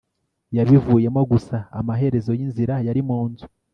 yabivuyemo gusa amaherezo yinzira yari munzu